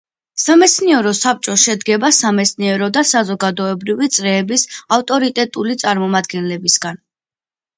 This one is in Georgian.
სამეცნიერო საბჭო შედგება სამეცნიერო და საზოგადოებრივი წრეების ავტორიტეტული წარმომადგენლებისაგან.